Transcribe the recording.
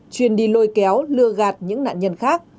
chuyên đi lôi kéo lừa gạt những nạn nhân khác